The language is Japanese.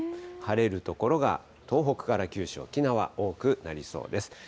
晴れる所が東北から九州、沖縄、多くなりそうです。